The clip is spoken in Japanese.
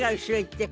って。